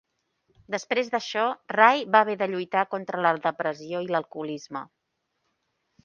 Després d'això, Ray va haver de lluitar contra la depressió i l'alcoholisme.